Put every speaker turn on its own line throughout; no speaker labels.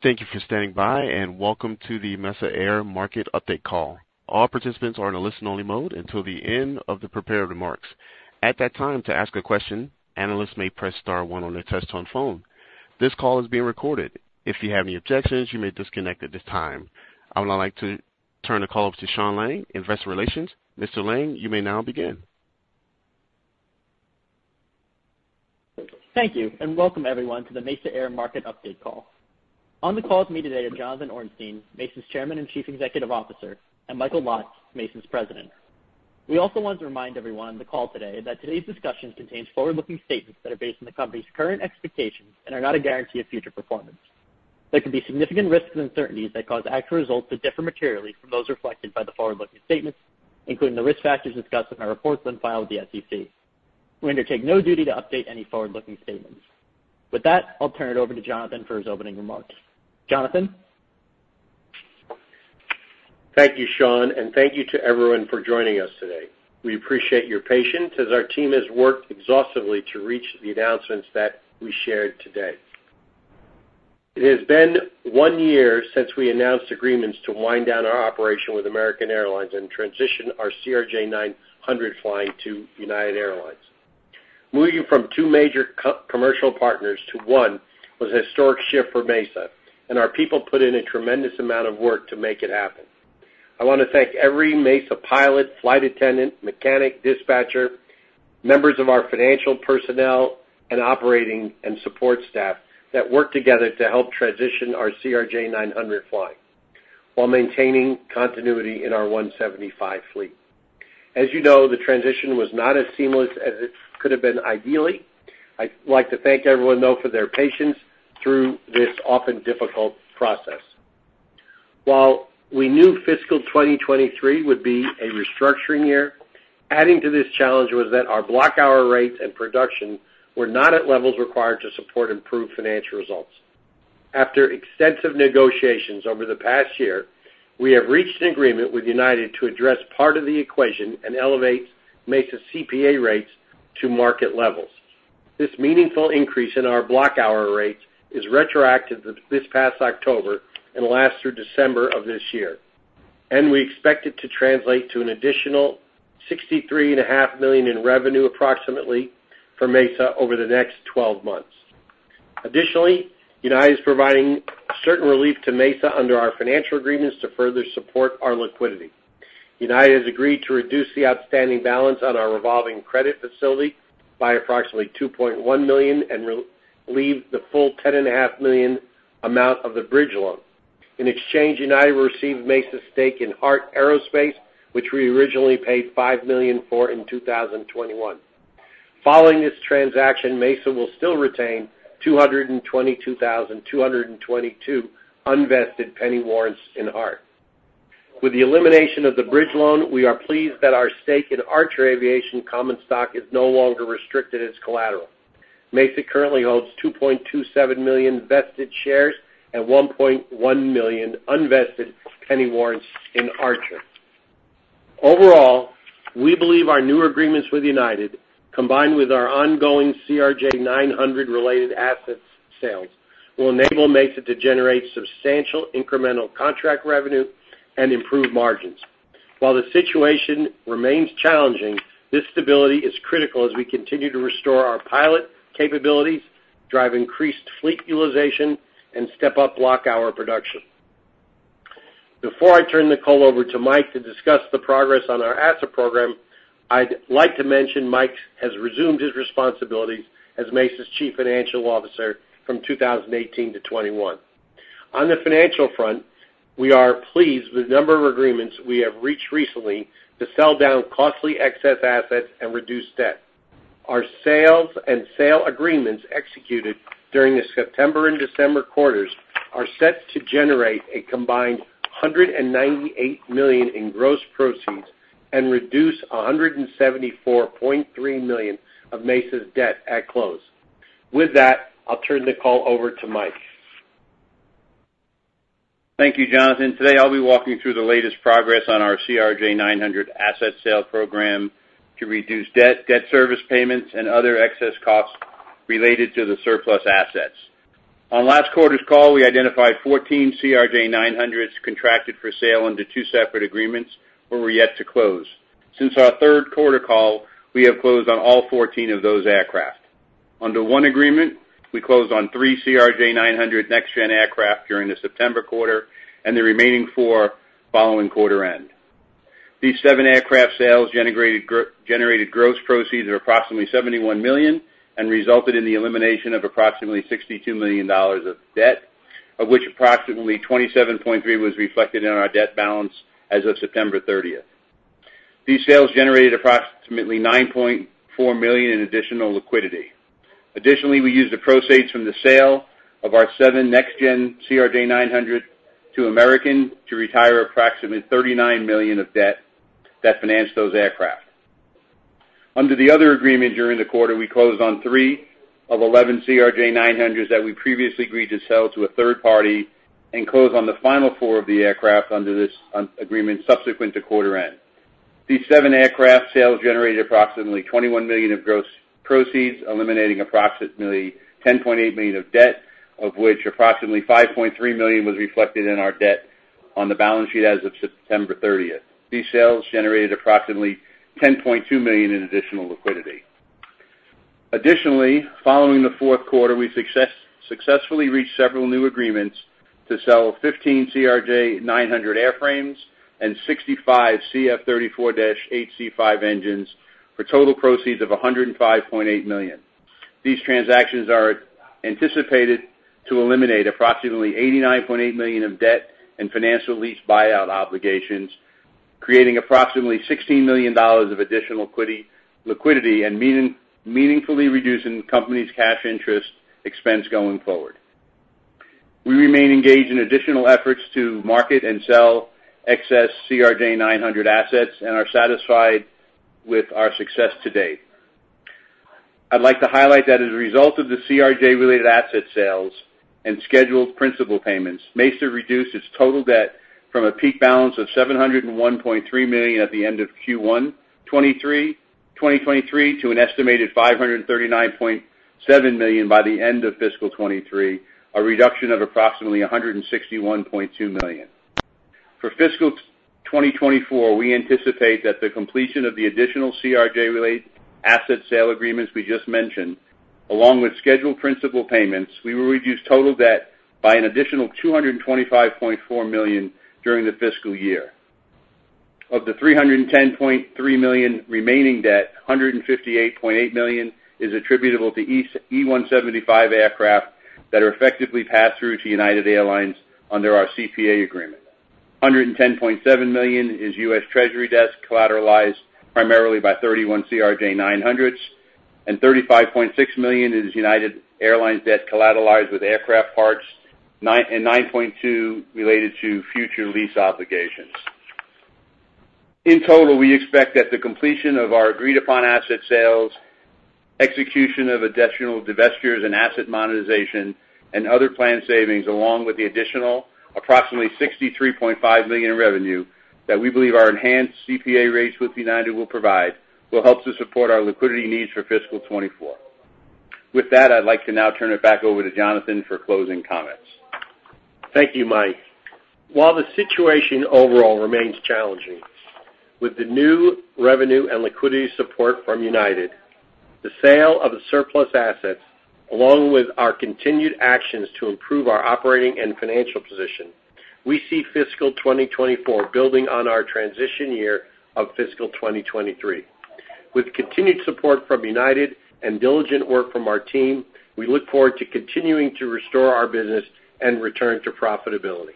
Thank you for standing by, and welcome to the Mesa Air Market update call. All participants are in a listen-only mode until the end of the prepared remarks. At that time, to ask a question, analysts may press star one on their touchtone phone. This call is being recorded. If you have any objections, you may disconnect at this time. I would now like to turn the call over to Sean Lang, Investor Relations. Mr. Lange, you may now begin.
Thank you, and welcome everyone to the Mesa Air Market update call. On the call with me today are Jonathan Ornstein, Mesa's Chairman and Chief Executive Officer, and Michael Lotz, Mesa's President. We also want to remind everyone on the call today that today's discussion contains forward-looking statements that are based on the company's current expectations and are not a guarantee of future performance. There can be significant risks and uncertainties that cause actual results to differ materially from those reflected by the forward-looking statements, including the risk factors discussed in our reports then filed with the SEC. We undertake no duty to update any forward-looking statements. With that, I'll turn it over to Jonathan for his opening remarks. Jonathan?
Thank you, Sean, and thank you to everyone for joining us today. We appreciate your patience as our team has worked exhaustively to reach the announcements that we shared today. It has been one year since we announced agreements to wind down our operation with American Airlines and transition our CRJ-900 flying to United Airlines. Moving from two major co-commercial partners to one was a historic shift for Mesa, and our people put in a tremendous amount of work to make it happen. I wanna thank every Mesa pilot, flight attendant, mechanic, dispatcher, members of our financial personnel, and operating and support staff that worked together to help transition our CRJ-900 flying while maintaining continuity in our 175 fleet. As you know, the transition was not as seamless as it could have been ideally. I'd like to thank everyone, though, for their patience through this often difficult process. While we knew fiscal 2023 would be a restructuring year, adding to this challenge was that our block hour rates and production were not at levels required to support improved financial results. After extensive negotiations over the past year, we have reached an agreement with United to address part of the equation and elevate Mesa's CPA rates to market levels. This meaningful increase in our block hour rates is retroactive to this past October and lasts through December of this year, and we expect it to translate to an additional $63.5 million in revenue, approximately, for Mesa over the next 12 months. Additionally, United is providing certain relief to Mesa under our financial agreements to further support our liquidity. United has agreed to reduce the outstanding balance on our revolving credit facility by approximately $2.1 million and relieve the full $10.5 million amount of the bridge loan. In exchange, United will receive Mesa's stake in Heart Aerospace, which we originally paid $5 million for in 2021. Following this transaction, Mesa will still retain 222,222 unvested penny warrants in Heart. With the elimination of the bridge loan, we are pleased that our stake in Archer Aviation common stock is no longer restricted as collateral. Mesa currently holds 2.27 million vested shares and 1.1 million unvested penny warrants in Archer. Overall, we believe our new agreements with United, combined with our ongoing CRJ-900-related asset sales, will enable Mesa to generate substantial incremental contract revenue and improve margins. While the situation remains challenging, this stability is critical as we continue to restore our pilot capabilities, drive increased fleet utilization, and step up block hour production. Before I turn the call over to Mike to discuss the progress on our asset program, I'd like to mention Mike has resumed his responsibilities as Mesa's Chief Financial Officer from 2018 to 2021. On the financial front, we are pleased with the number of agreements we have reached recently to sell down costly excess assets and reduce debt. Our sales and sale agreements executed during the September and December quarters are set to generate a combined $198 million in gross proceeds and reduce $174.3 million of Mesa's debt at close. With that, I'll turn the call over to Mike.
Thank you, Jonathan. Today, I'll be walking through the latest progress on our CRJ-900 asset sale program to reduce debt, debt service payments, and other excess costs related to the surplus assets. On last quarter's call, we identified 14 CRJ-900s contracted for sale under two separate agreements, but were yet to close. Since our third quarter call, we have closed on all 14 of those aircraft. Under one agreement, we closed on three CRJ-900 NextGen aircraft during the September quarter and the remaining four following quarter end. These seven aircraft sales generated generated gross proceeds of approximately $71 million and resulted in the elimination of approximately $62 million of debt, of which approximately 27.3 was reflected in our debt balance as of September 30th. These sales generated approximately $9.4 million in additional liquidity. Additionally, we used the proceeds from the sale of our seven NextGen CRJ-900s to American to retire approximately $39 million of debt that financed those aircraft. Under the other agreement during the quarter, we closed on three of 11 CRJ-900s that we previously agreed to sell to a third party and close on the final four of the aircraft under this agreement subsequent to quarter end. These seven aircraft sales generated approximately $21 million of gross proceeds, eliminating approximately $10.8 million of debt, of which approximately $5.3 million was reflected in our debt on the balance sheet as of September 30th. These sales generated approximately $10.2 million in additional liquidity. Additionally, following the fourth quarter, we successfully reached several new agreements to sell 15 CRJ-900 airframes and 65 CF34-8C5 engines for total proceeds of $105.8 million. These transactions are anticipated to eliminate approximately $89.8 million of debt and financial lease buyout obligations, creating approximately $16 million of additional liquidity and meaningfully reducing the company's cash interest expense going forward. We remain engaged in additional efforts to market and sell excess CRJ-900 assets and are satisfied with our success to date. I'd like to highlight that as a result of the CRJ-related asset sales and scheduled principal payments, Mesa reduced its total debt from a peak balance of $701.3 million at the end of Q1 2023 to an estimated $539.7 million by the end of fiscal 2023, a reduction of approximately $161.2 million. For fiscal 2024, we anticipate that the completion of the additional CRJ-related asset sale agreements we just mentioned, along with scheduled principal payments, we will reduce total debt by an additional $225.4 million during the fiscal year. Of the $310.3 million remaining debt, $158.8 million is attributable to E175 aircraft that are effectively passed through to United Airlines under our CPA agreement. $110.7 million is U.S. Treasury debt, collateralized primarily by 31 CRJ-900s, and $35.6 million is United Airlines debt, collateralized with aircraft parts, $9 million and $9.2 million related to future lease obligations. In total, we expect that the completion of our agreed-upon asset sales, execution of additional divestitures and asset monetization, and other planned savings, along with the additional approximately $63.5 million in revenue, that we believe our enhanced CPA rates with United will provide, will help to support our liquidity needs for fiscal 2024. With that, I'd like to now turn it back over to Jonathan for closing comments.
Thank you, Mike. While the situation overall remains challenging, with the new revenue and liquidity support from United, the sale of the surplus assets, along with our continued actions to improve our operating and financial position, we see fiscal 2024 building on our transition year of fiscal 2023. With continued support from United and diligent work from our team, we look forward to continuing to restore our business and return to profitability.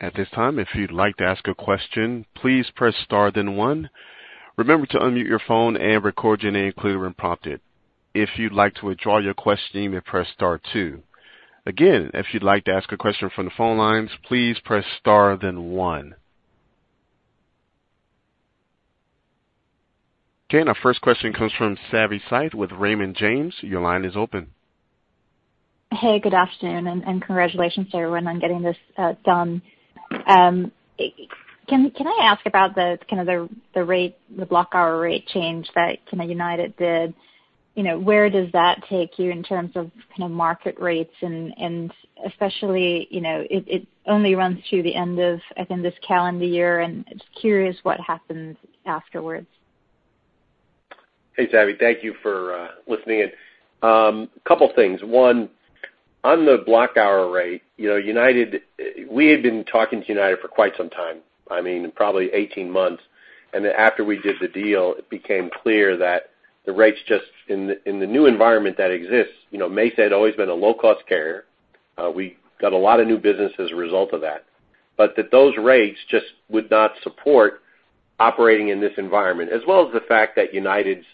At this time, if you'd like to ask a question, please press star, then one. Remember to unmute your phone and record your name clearly when prompted. If you'd like to withdraw your question, you may press star two. Again, if you'd like to ask a question from the phone lines, please press star, then one. Okay, and our first question comes from Savanthi Syth with Raymond James. Your line is open.
Hey, good afternoon, and congratulations to everyone on getting this done. Can I ask about the kind of rate, the block hour rate change that kind of United did? You know, where does that take you in terms of kind of market rates and especially, you know, it only runs through the end of, I think, this calendar year, and just curious what happens afterwards.
Hey, Savvy, thank you for listening in. Couple things. One, on the block hour rate, you know, United, we had been talking to United for quite some time, I mean, probably 18 months. And then after we did the deal, it became clear that the rates just in the new environment that exists, you know, Mesa had always been a low-cost carrier. We got a lot of new business as a result of that. But those rates just would not support operating in this environment, as well as the fact that United's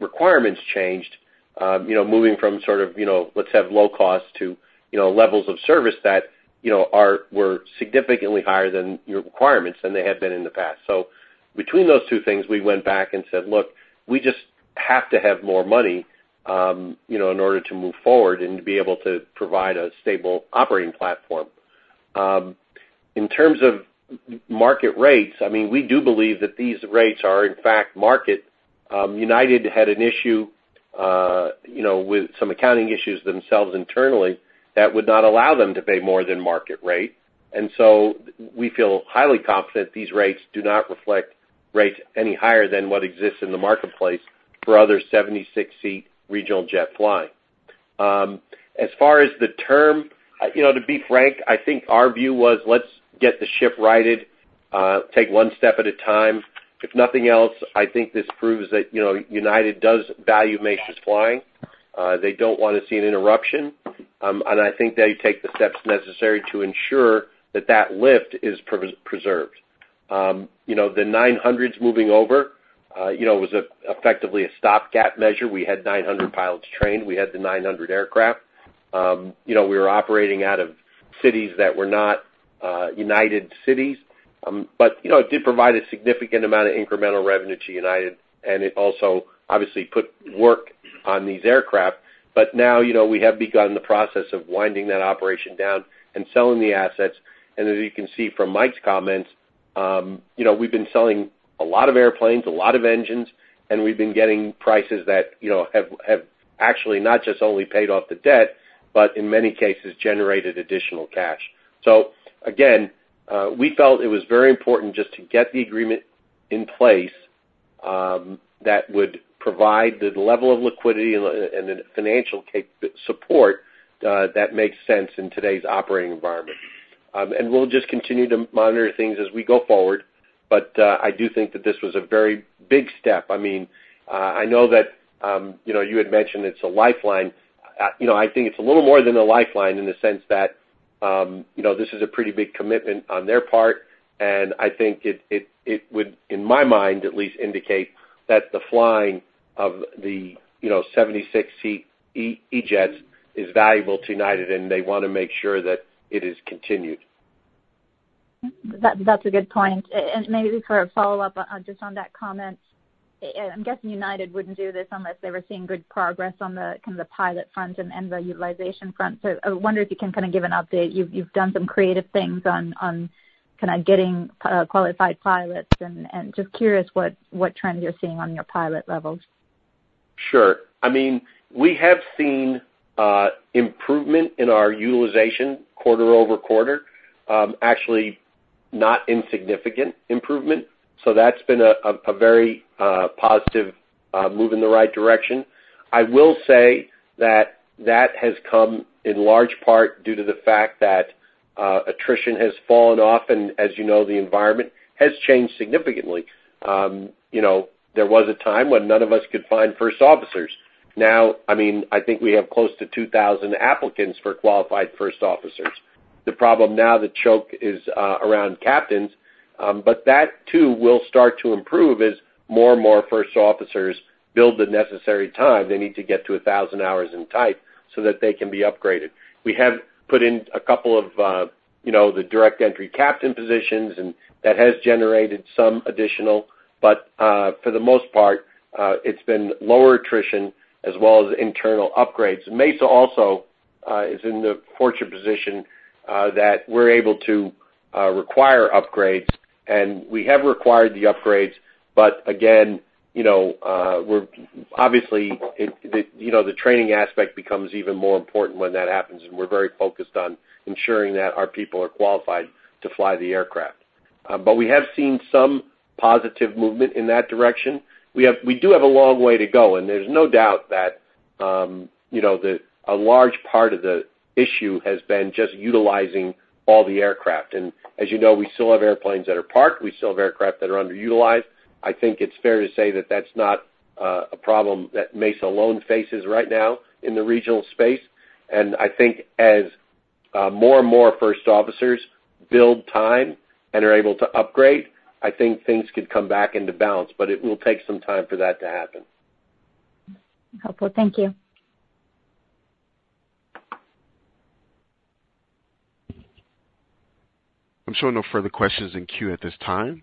requirements changed, you know, moving from sort of, you know, let's have low cost to, you know, levels of service that, you know, are, were significantly higher than your requirements than they had been in the past. So between those two things, we went back and said: Look, we just have to have more money, you know, in order to move forward and to be able to provide a stable operating platform. In terms of market rates, I mean, we do believe that these rates are, in fact, market. United had an issue, you know, with some accounting issues themselves internally that would not allow them to pay more than market rate. And so we feel highly confident these rates do not reflect rates any higher than what exists in the marketplace for other 76-seat regional jet flying. As far as the term, you know, to be frank, I think our view was, let's get the ship righted, take one step at a time. If nothing else, I think this proves that, you know, United does value Mesa's flying. They don't want to see an interruption. .And I think they take the steps necessary to ensure that that lift is preserved. You know, the 900s moving over, you know, was effectively a stopgap measure. We had 900 pilots trained. We had the 900 aircraft. You know, we were operating out of cities that were not United cities. But, you know, it did provide a significant amount of incremental revenue to United, and it also obviously put work on these aircraft. But now, you know, we have begun the process of winding that operation down and selling the assets. And as you can see from Mike's comments, you know, we've been selling a lot of airplanes, a lot of engines, and we've been getting prices that, you know, have actually not just only paid off the debt, but in many cases generated additional cash. So again, we felt it was very important just to get the agreement in place, that would provide the level of liquidity and the, and the financial support, that makes sense in today's operating environment. And we'll just continue to monitor things as we go forward. But, I do think that this was a very big step. I mean, I know that, you know, you had mentioned it's a lifeline. You know, I think it's a little more than a lifeline in the sense that, you know, this is a pretty big commitment on their part, and I think it would, in my mind, at least indicate that the flying of the, you know, 76-seat E-Jets is valuable to United, and they want to make sure that it is continued.
That's a good point. And maybe for a follow-up, just on that comment, I'm guessing United wouldn't do this unless they were seeing good progress on the, kind of the pilot front and the utilization front. So I wonder if you can kind of give an update. You've done some creative things on kind of getting qualified pilots, and just curious what trends you're seeing on your pilot levels.
Sure. I mean, we have seen improvement in our utilization quarter-over-quarter. Actually, not insignificant improvement. So that's been a very positive move in the right direction. I will say that that has come in large part due to the fact that attrition has fallen off, and as you know, the environment has changed significantly. You know, there was a time when none of us could find first officers. Now, I mean, I think we have close to 2,000 applicants for qualified first officers. The problem now, the choke is around captains, but that too will start to improve as more and more first officers build the necessary time they need to get to 1,000 hours in type, so that they can be upgraded. We have put in a couple of, you know, the direct entry captain positions, and that has generated some additional, but, for the most part, it's been lower attrition as well as internal upgrades. Mesa also is in the fortunate position that we're able to require upgrades, and we have required the upgrades. But again, you know, we're obviously the you know the training aspect becomes even more important when that happens, and we're very focused on ensuring that our people are qualified to fly the aircraft. But we have seen some positive movement in that direction. We have we do have a long way to go, and there's no doubt that, you know, that a large part of the issue has been just utilizing all the aircraft. And as you know, we still have airplanes that are parked. We still have aircraft that are underutilized. I think it's fair to say that that's not a problem that Mesa alone faces right now in the regional space. And I think as more and more first officers build time and are able to upgrade, I think things could come back into balance, but it will take some time for that to happen.
Helpful. Thank you.
I'm showing no further questions in queue at this time.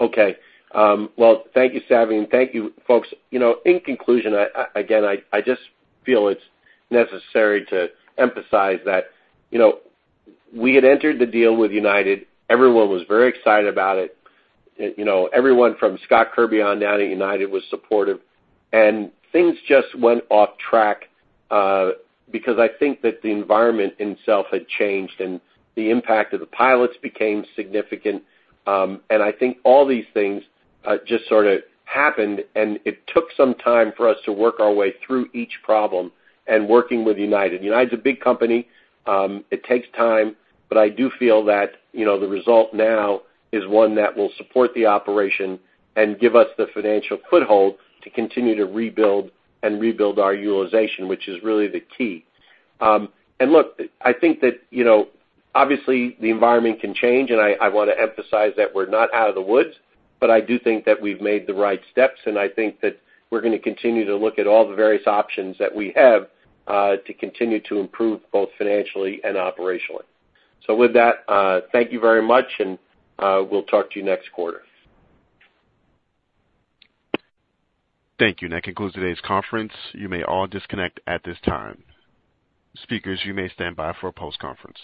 Okay. Well, thank you, Savvy, and thank you, folks. You know, in conclusion, I again just feel it's necessary to emphasize that, you know, we had entered the deal with United. Everyone was very excited about it. You know, everyone from Scott Kirby on down at United was supportive, and things just went off track because I think that the environment itself had changed and the impact of the pilots became significant. And I think all these things just sort of happened, and it took some time for us to work our way through each problem and working with United. United's a big company. It takes time, but I do feel that, you know, the result now is one that will support the operation and give us the financial foothold to continue to rebuild and rebuild our utilization, which is really the key. And look, I think that, you know, obviously, the environment can change, and I want to emphasize that we're not out of the woods, but I do think that we've made the right steps, and I think that we're going to continue to look at all the various options that we have to continue to improve, both financially and operationally. So with that, thank you very much, and we'll talk to you next quarter.
Thank you. That concludes today's conference. You may all disconnect at this time. Speakers, you may stand by for a post-conference.